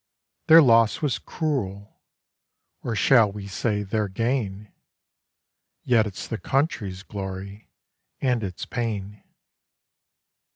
Their loss was cruel, or shall we say their gain, Yet it's the country's glory, and its pain.'